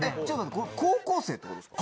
これ高校生ってことですか？